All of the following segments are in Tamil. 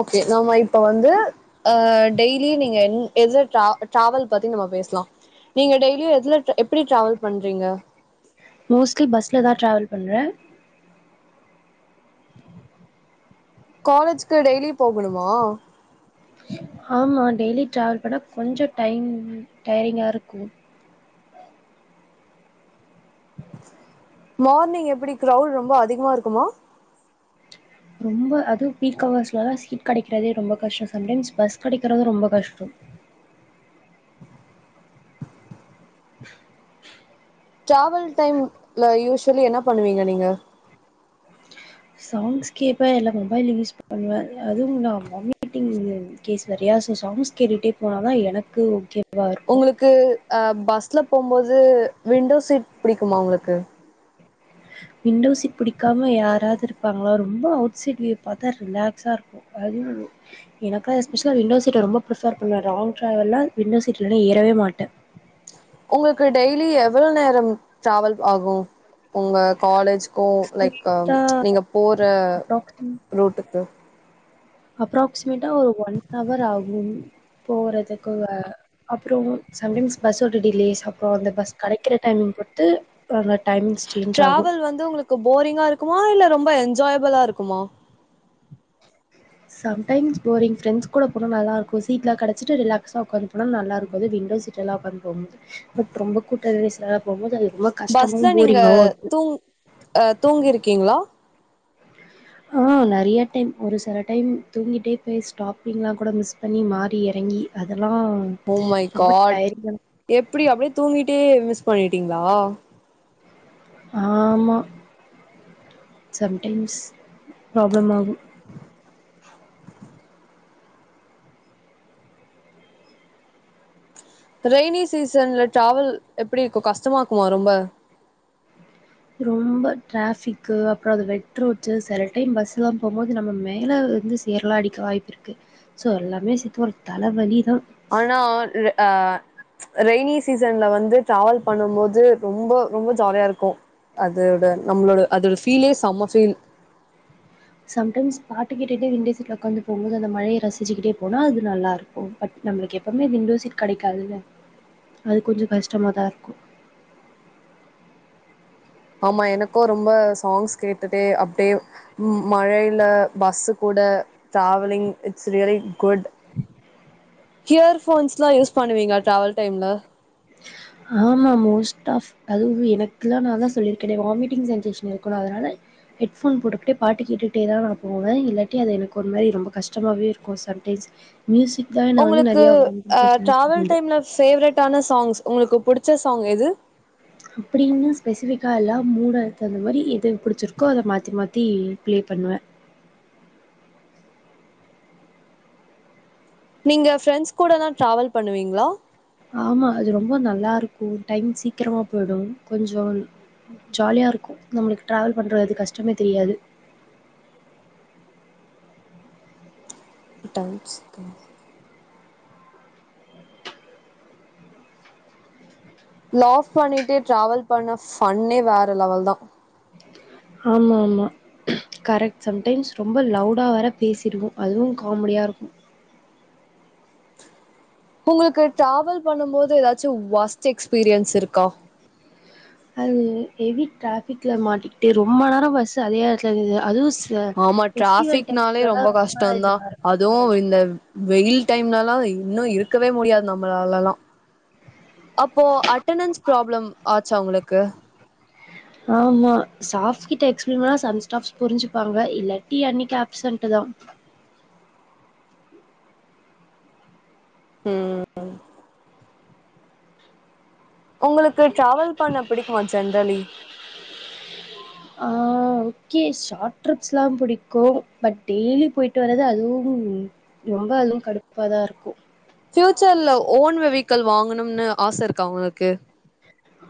ஓகே நம்ம இப்ப வந்து அ டெய்லி நீங்க எதுல டிராவல் பத்தி நம்ம பேசலா நீங்க டெய்லியு எதுல எப்படி டிராவல் பண்றீங்க மோஸ்லி பஸ்ல தா டிராவல் பண்ணுவ காலேஜ்கு டெய்லி போகணுமா ஆமா டெய்லி ட்ராவல் பண்ணா கொஞ்ச டைம் டைரிங்கா இருக்கு மார்னிங் எப்டி கிரோவ்ட் ரொம்ப அதிகமா இருக்குமா ரொம்ப அது பீக்வர்ஸ்லல்லா சீட் கிடைக்றதே ரொம்ப கஷ்ட சம்டைம்ஸ் பஸ் கிடைக்கிறது ரொம்ப கஷ்டோ டிராவல் டைம்ல யூஸ்வலி என்ன பண்ணுவீங்க நீங்க சாங்ஸ் கேப்ப இல்ல மொபைல் யூஸ் பண்ணுவ அதுவு நா வாமிட்டிங் கேஸ் வேறயா சோ சாங்ஸ் கேட்டுட்டே போனாதா எனக்கு ஓகே உங்களுக்கு அ பஸ்ல போகும்போது விண்டோ சீட் பிடிக்குமா உங்களுக்கு விண்டோ சீட் பிடிக்காம யாராவது இருப்பாங்கள ரொம்ப அவுட் சைட் வியூ பார்த்தா ரிலாக்ஸா இருக்கு அதுவு எனக்கு எஸ்பெஷலா விண்டோ சீட் ரொம்ப பிர்பர் பண்ணனுவே லாங் டிரைவல்லா விண்டோ சீட் இல்லனா ஏறவே மாட்டே உங்களுக்கு டெய்லி எவ்வளோ நேரம் ட்ராவல் ஆகும் உங்க காலேஜ் ஓ லைக் ஸ்ட்ரெயிட்டா நீங்க போற ரூட்டுக்கு அப்ராக்சி பொய்ட்டா ஒரு ஒன் வர் ஆகு போறதுக்கு அப்புறம் சம்டைம்ஸ் பஸ் ஒரு டிலேஸ் அப்புறம் அந்த பஸ் கிடைக்கிற டைமிங் பொருத்து உம் டிராவல் வந்து உங்களுக்கு போரிங்கா இருக்குமா இல்ல ரொம்ப என்ஜாயபிளா இருக்குமா சம்டைம்ஸ் போரிங் ப்ரெண்ட்ஸ் கூட போனா நல்லா இருக்கு சீட்லா கிடைச்சிட்டு ரிலாக்ஸா உட்காந்து போனா நல்லா இருக்கு அது விண்டோஸ்சீட் எல்லா உக்காந்து போகு போது ரொம்ப கூட்ட நெரிசலா போகும்போது அது ரொம்ப கஷ்டமாவு பஸ்ல நீங்க போரிங்காவு இருக்கு தூங் அ தூங்கிருக்கீங்களா ஆ நிறைய டைம் ஒரு சில டைம் தூங்கிட்டே போய் ஸ்டாப்பிங்லா கூட மிஸ் பண்ணி மாறி இறங்கி அத ஒ மை காட் எப்படி அப்படியே தூங்கிட்டே மிஸ் பண்ணிட் த்திங்களா ஆமா சம்டைம்ஸ் ப்ராப்ள ஆகு ரெய்னி சீசன்ல டிராவல் எப்படி இருக்கு கஷ்டமா இருக்குமா ரொம்ப ரொம்ப டிராபிக்கு அப்றம் அ வெட் ரோச்சு சில டைம் பஸ் எல்லா போகு போது நம்ம மேல வந்து சேரலா அடிக்க வாய்ப்பு இருக்கு சோ எல்லாமே சேத்து ஒரு தலவலி ஆனா ஆ ரெய்னி சீசன்ல வந்து டிராவல் பண்ணு போது ரொம்ப ரொம்ப ஜாலியா இருக்கு அதோட நம்மளோட அதோட ஃபீலே செம்ம ஃபீல் சம்டைம்ஸ் பாட்டுக்கிட்டிட்டே விண்டோ சீட்ல உட்காந்து போகுபோது அந்த மழைய ரசிச்சுக்கிட்டே போனா அது நல்லா இருக்கு பட் நம்மளுக்கு எப்பவுமே விண்டோ சீட் கிடைக்காதுல்ல அது கொஞ்ச கஷ்டமாதா இருக்கு ஆமா எனக்கும் ரொம்ப சாங்ஸ் கேட்டுடே அப்டே மழயில பஸ்ஸு கூட travelling it's really good earphones எல்லா யூஸ் பண்ணுவீங்க டிராவல் டைம்ல ஆமா மோஸ்ட் ஆஃப் அதுவு எனக்குல்லா நா தா சொல்லியிருக்கேன்னே வாமிட்டிங் சென்சேஷன் இருக்கணு அதனால ஹெட்போன் போட்டுக்கிட்டே பாட்டு கேட்டுட்டே தா நா போவே இல்லாட்டி அது எனக்கு ஒரு மாதிரி ரொம்ப கஷ்டமாவே இருக்கும் சம்டைம்ஸ் மியூசிக் தா என்ன வந்து உங்களுக்கு நெறையா வாமிட்டிங் சென்சேஷன் டிராவல் கொடுக்குது டைம்ல பேவரெட் ஆனா சாங்ஸ் உங்களுக்கு புடி அப்டி என்ன ஸ்பெசிபிக்கா எல்லா மூடாயத்து அந்த மாரி எத பிடிச்சிருக்கோ அத மாத்தி மாத்தி பிளே பண்ணுவே நீங்க ஃரெண்ட்ஸ் கூட தா டிராவல் பண்ணுவீங்களா ஆமா அது ரொம்ப நல்லாருக்கு டைம் சீக்கிரமா போயிடும் கொஞ்சம் ஜாலியா இருக்கு நம்மளுக்கு டிராவல் பண்றது அது கஷ்டமே தெரியாது டவ் சிக்க லாப் பண்ணிட்டு டிராவல் பண்ண ஃபண்ணே வேற லெவல் தா ஆமா ஆமா கரெக்ட் சம்டைம்ஸ் ரொம்ப லவுடா வேற பேசிடுவோ அதுவு காமெடியா இருக்கு உங்களுக்கு டிராவல் பண்ணும் போது ஏதாச்சு ஒர்ஸ்ட் எக்ஸ்பீரியன்ஸ் இருக்கா அது ஹெவி டிராபிக்ல மாட்டிக்கிட்டு ரொம்ப நேர பஸ் அதே எடத்துல இருது அதுவு ஆமா டிராபிக்னாலே ரொம்ப கஷ்டந்தா இதுவா இருக்கும் அதுவு அதெல்லாம். இந்த வெயில் டைம்லலா இன்னு இருக்கவே முடியாது நம்மளாலா அப்போ அட்டணன்ஸ் பப்ளம் ஆச்சா உங்களுக்கு ஆமா ஸ்டாப் கிட்ட ச சம் ஸ்டாப்ஸ் புரிஞ்சுப்பாங்க இல்லாட்டி அன்னைக்கு ஆப்சன்ட் தா ம் உங் டிராவல் பண்ண பிடிக்குமா ஜென்ரலி ஆ ஓகே ஷார்ட் ட்ரிப்ஸ்லா பிடிக்கு பட் டெய்லி போயிட்டு வர்து அதுவு ரொம்ப அதுவு கடுப்ப தா இருக்கு பியூச்சர்ல ஓன் வெஹிக்கல் வாங்கணும்னு ஆச இருக்கா உங்களுக்கு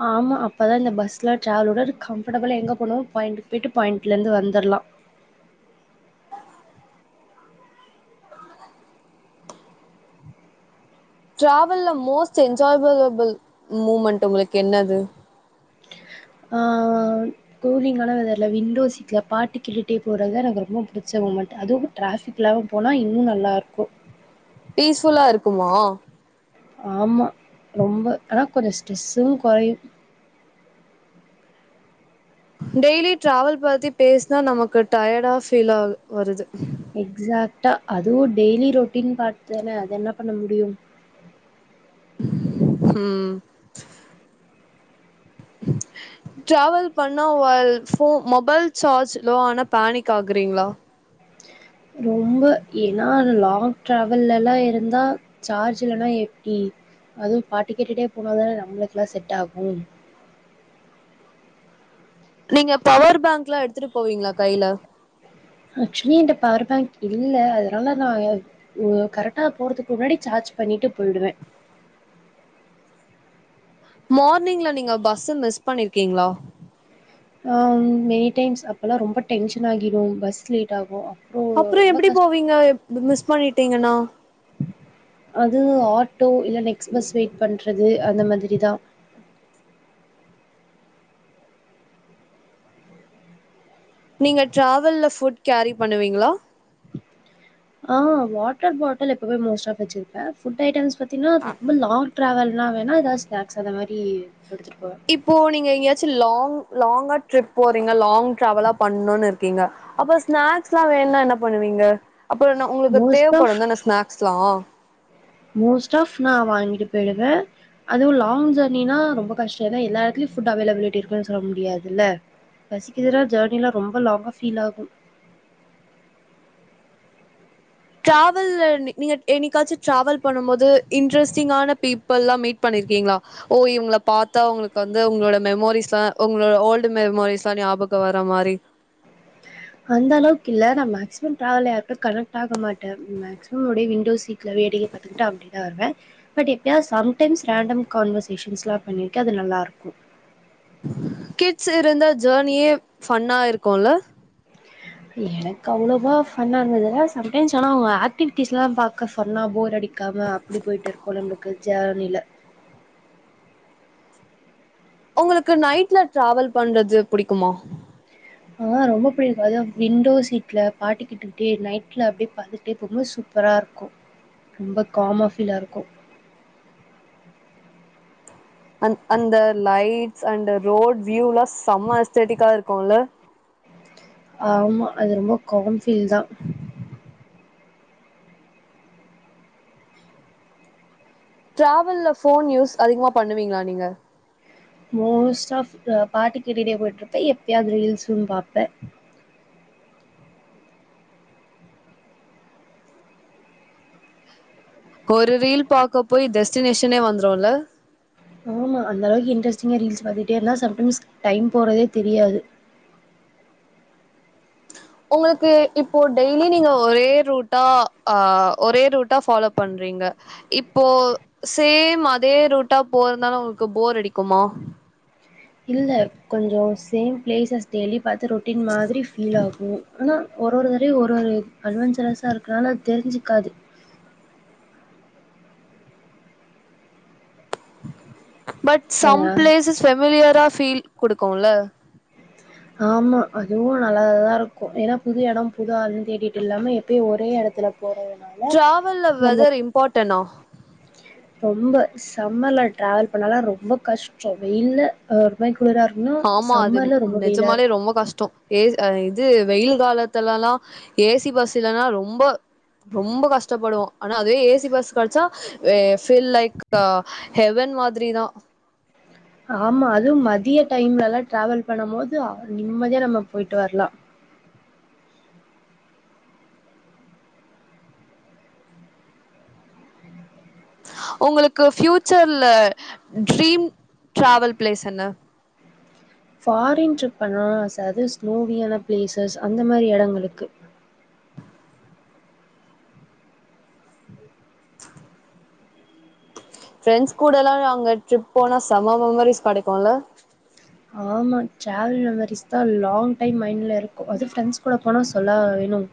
ஆமா அப்பதா இந்த பஸ்ல டிரராவலோட கம்ஃபர்டபிளா எங்க போனோ பாயிண்ட போயிட்டு பாயிண்ட்ல இருந்து வந்துர்லா டிராவல்ல மோஸ்ட் என்ஜாய்பிலபிள் மூமெண்ட் உங்களுக்கு என்னது ஆஹ் கூலிங்கான வெதர்ல விண்டோ சீட்ல பாட்டு கேட்டே போறதுத எனக்கு ரொம்ப பிடிச்ச மூமெண்ட் அதுவு டிராபிக்ல்லா போனா இன்னு நல்லாருக்கு பீஸ்ஃபுல்லா இருக்குமா ஆமா ரொம்ப ஆனா கொஞ்ச ஸ்ட்ரெஸ்சும் கொறையு டெய்லி டிராவல் பாத்தி பேசினா நமக்கு டயர்டா ஃபீல் ஆ வருது எக்ஸ்ஷா ட்டா அதுவு டெய்லி ரொட்டீன் பாத்தான அது என்ன பண்ண முடியு ம் ட்ராவல் பண்ணா வ போ மொபைல் சார்ஜ் லோ ஆன பானிக் ஆகுறீங்களா ரொம்ப ஏன்னா லாங் டிராவல்லல்லா இருந்தா சார்ஜ் இல்லன்னா எப்டி அதுவு பாட்டு கேட்டுட்டே போனாதான நம்மளுக்குல்லா செட்டாகு நீங்க பவர் பேங்க்லா எடுத்துட்டு போவீங்களா கைல அக்ஷலி என்ட்ட பவர் பேங்க் இல்ல அதனால நா அ கரெக்டா போறதுக்கு முன்னாடி சார்ஜ் பண்ணிட்டு போயிடுவே மார்னிங்ல நீங்க பஸ்ஸ மிஸ் பண்ணிருக்கீங்களா ஆ மெனி டைம்ஸ் அப்பல்லா ரொம்ப டென்ஷன் ஆகிரு பஸ் லேட்டாகு அப்பற எப்டி போவீங்க [unintelligible] பண்ணிட்டீங்கன்னா அது ஆட்டோ இல்ல நெக்ஸ்ட்பஸ் வெயிட் பண்றது அந்த மாதிரிதா நீங்க டிராவல்ல ஃபுட் கேரி பண்ணுவீங்களா ஆ வாட்டர் பாட்டில் எப்பவே மோஸ்ட் ஆ வச்சிருப்பே புட் ஐட்டம்ஸ் து ரொம்ப லாங் ட்ராவல் நா வேணா ஏதாவது ஸ்நாக்ஸ் அந்த மாரி எடுத்துட்டு போவே இப்போ நீங்க எங்கயாச்சு லாங் லாங்கா ட்ரிப் போறீங்க லாங் ட்ராவலா பண்ணுன்னுருக் அப்ப ஸ்நாக்ஸ்ல்லா வேணுன்னா என்ன பண்ணுவீங்க அப்பறோ நா உங்களுக்கு மோஸ்ட் தேவப்படு ஆஃப் தான ஸ்நாக்ஸ் [unintelligible] மோஸ்ட் ஆஃப் நா வாங்கிட்டு பெய்றே அதுவும் லாங் ஜேர்னினா ரொம்ப கஷ்டோ ஏனா எல்லா எடத்துலயு ஃபுட் அவைலபிலிட்டி இருக்கு சொல்ல முடியாதுல்ல ரசிக்கிறதுனா ஜேர்னிலா ரொம்ப லாங்கா ஃபீலாகும் டிராவல்ல நீ நீங்க என்னைக்காச்சு டிராவல் பண்ணும் போது இன்ட்ரெஸ்டிங்கான பீப்பிள்ல்லாம் மீட் பண்ணிருக்கீங்களா ஓ இவங்கள பாத்தா உங்களுக்கு வந்து உங்களோட மெமோரிஸ்லா உங்களோட ஓல்டு மெமோரிஸ்லா ஞாபகோ வர மாரி அந்த அளவுக்கு இல்ல நா மேக்சிமம் டிராவல் யாருகிட்ட கனெக்ட் ஆக மாட்டே மேக்சிமம் அப்டியே விண்டோ சீட்ல வேடிக்கை பாத்துக்கிட்டு அப்டிதா வருவே பட் எப்யாவது சம்டைம்ஸ் ரண்டம் கான்வர்சேஷன்ஸ்ல்லா பண்ணியிருக்கே அது நல்லாருக்கு கிட்ஸ் இருந்தா ஜேர்னியே ஃபன்னா இருக்குல்ல எனக்கு அவ்ளோவா ஃபன்னா இருந்ததுல்ல சம்டைம்ஸ் ஆனா அவங்க ஆக்டிவிட்டிஸ்லாம் பாக்க ஃபன்னா போர் அடிக்காம அப்டி போயிட்டு இருக்கோல்ல நம்மளுக்கு ஜேர்னில உங்களுக்கு நைட்ல டிராவல் பண்றது புடிக்குமா ஆ ரொம்ப பிடிக்கு அதுவு விண்டோ சீட்ல பாட்டிக்கிட்டுட்டே நைட்ல அப்டியே பாத்துட்டே போம்போது சூப்பராருக்கு ரொம்ப காமா ஃபீலாருக்கு அந் அந்த லைட்ஸ் அந்த ரோட் வியூலா செம எஸ்தட்டிக்கா இருக்குல்ல ஆமா அது ரொம்ப காம் ஃபீல் தா டிராவல்ல ஃபோன் யூஸ் அதிகமா பண்ணுவீங்களா நீங்க மோஸ்ட் ஆஃப் அ பாட்டு கேட்டிட்டே போயிட்டுருப்பே எப்பயாது ரீல்ஸும் பாப்பே ஒரு ரீல் பாக்க போய் டெஸ்டினேஷனே வந்துருல்ல ஆமா அந்த அளவுக்கு இன்ட்ரெஸ்டிங்கா ரீல்ஸ் பாத்துட்டே இருந்தா சம்டைம்ஸ் டைம் போறதே தெரியாது உங்களுக்கு இப்போ டெய்லி நீங்க ஒரே ரூட்டா அ ஒரே ரூட்டா ஃபாலோ பண்றீங்க இப்போ சேம் அதே ரூட்டா போறதுனால உங்களுக்கு போர் அடிக்குமா இல்ல கொஞ்சோ சேம் பிளேசஸ் டெய்லி பாத்து ரொட்டீன் மாதிரி ஃபீலாகு ஆனா ஒரு ஒரு தரவையு ஒரு ஒரு அட்வென்ச்சரெஸரா இருக்கனால அது தெரிஞ்சுக்காது பட் அ சம் பிளேசஸ் ஃபெமிலியரா ஃபீல் குடுக்குல்ல ஆமா அதுவு நல்ல தா இருக்கு ஏன்னா புது எடோ புது ஆலுன்னு தேடிட்டு இல்லாம எப்பயு ஒரே எடத்துல போறதுனால ட்ராவல்ல நம்மளுக்கு வெதரு இம்பாட்டன்னா ரொம்ப சம்மர்ல ட்ராவல் பண்ணறதலா ரொம்ப கஷ்டோ வெயில்ல அ [unintelligible] குளிரா இருக்கணு சம்மர்ல ரொம்ப வெயிலா நிஜமாலே இருக்கு ரொம்ப கஷ்டோ ஏ ஸ் அ இது வெயில் காலத்துலல்லா ஏ சி பஸ் இல்லன்னா ரொம்போ ரொம்போ கஷ்டப்படுவோ ஆனா அதுவே ஏ சி பஸ் கட்ச்சா வெ ஃபீல் லைக் அ ஹெவன் மாதிரிதா ஆமா அதுவு மதிய டைம்லலா டிராவல் பண்ணும் போது அத் நிம்மதியா நம்ம போயிட்டு வரலா உங்களுக்கு ஃபியூச்சர்ல டிரீம் டிராவல் பிளேஸ் என்ன ஃபாரின் ட்ரிப் பண்ணணுன்னு ஆச அது ஸ்னோவியான பிளேசஸ் அந்த மாரி எடங்களுக்கு ஃப்ரெண்ட்ஸ் கூடலல்ல அங்க ட்ரிப் போனா செம மெமரிஸ் கடைக்குல்ல அதா நா டிராவல் மெமரிஸ் தா லாங் டைம் மைண்ட்ல இருக்கு அது பிரெண்ட்ஸ் கூட போனா சொல்லவா வேணும்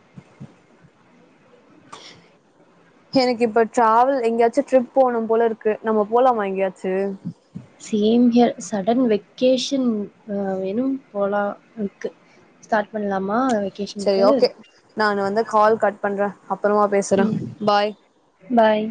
எனக்கு இப்ப டிராவல் எங்கேயாச்சு ட்ரிப் போனும் போல இருக்கு நம்ம போலாமா எங்கேயாச்சு சேம் ஹியர் சடன் வெக்கேஷன் வேணும் போலா ம்க்கு ஸ்டார்ட் பண்ணலாமா செரி ஓகே நா வந்து கால் கட் பண்றே அப்பறமா பேசுற ம், பாய் பாய்